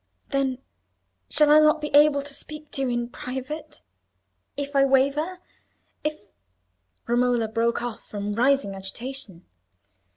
"Then shall I not be able to speak to you in private? if I waver, if—" Romola broke off from rising agitation.